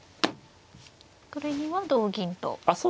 これには同銀と取って。